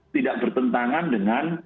tidak bertentangan dengan